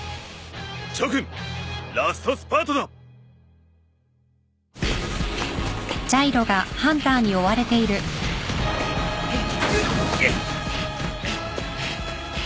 諸君ラストスパートだ！くっ。